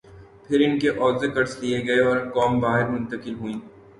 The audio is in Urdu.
پھر ان کے عوض قرض لئے گئے اوررقوم باہر منتقل ہوئیں۔